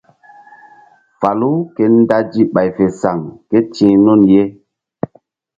Falu ke dazi bay fe saŋ kéti̧h nun ye.